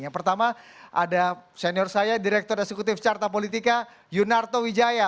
yang pertama ada senior saya direktur eksekutif carta politika yunarto wijaya